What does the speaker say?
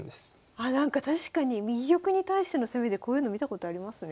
あなんか確かに右玉に対しての攻めでこういうの見たことありますね。